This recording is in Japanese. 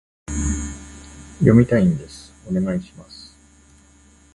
読みたいんです、お願いします